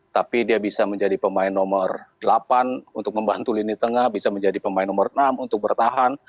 tapi dia bisa menjadi pemain nomor delapan untuk membantu lini tengah bisa menjadi pemain nomor enam untuk bertahan